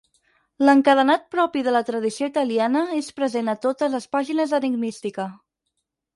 L'encadenat propi de la tradició italiana és present a totes les pàgines d'enigmística.